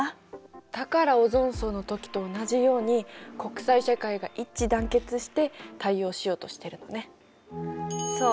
だからオゾン層の時と同じように国際社会が一致団結して対応しようとしてるのね。